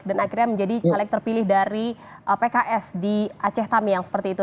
dan akhirnya menjadi caleg terpilih dari pks di aceh tamiang seperti itu